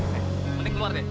hei mending keluar deh